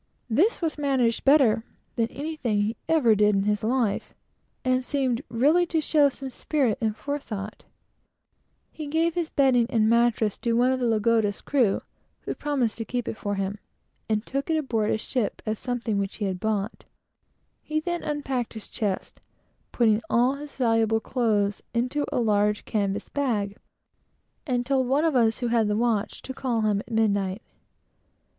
This was managed better than anything he ever did in his life, and seemed really to show some spirit and forethought. He gave his bedding and mattress to one of the Lagoda's crew, who took it aboard his vessel as something which he had bought, and promised to keep it for him. He then unpacked his chest, putting all his valuable clothes into a large canvas bag, and told one of us, who had the watch, to call him at midnight.